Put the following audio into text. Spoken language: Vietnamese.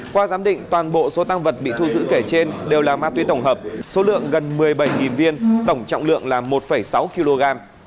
qua giám định toàn bộ số tăng vật bị thu giữ kể trên đều là ma túy tổng hợp số lượng gần một mươi bảy viên tổng trọng lượng là một sáu kg